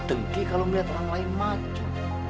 tengki kalau melihat orang lain macu